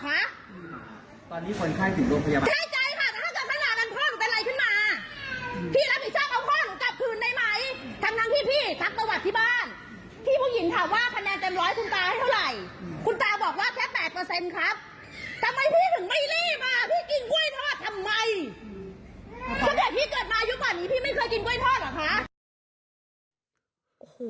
เค้าเด็กพี่เกิดมาอยู่ก่อนนี้พี่ไม่คือกินกล้วยทอดหรือเปล่าคะ